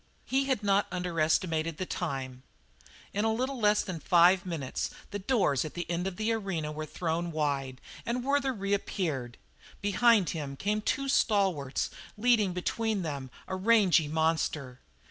He had not underestimated the time; in a little less than his five minutes the doors at the end of the arena were thrown wide and Werther reappeared. Behind him came two stalwarts leading between them a rangy monster.